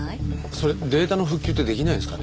それデータの復旧ってできないんですかね？